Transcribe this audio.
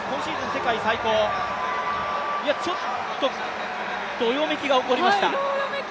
世界最高、ちょっとどよめきが起こりました。